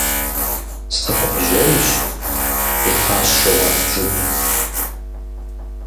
– Сыкхъужьейщ! – къитащ жэуап жыгым.